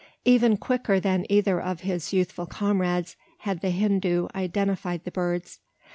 Even quicker than either of his youthful comrades had the Hindoo identified the birds.